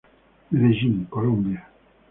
Medellín Colombia.